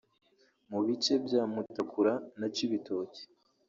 mu bice bya Mutakura na Cibitoke